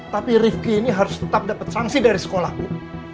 tapi rifki ini harus tetap dapat sanksi dari sekolahku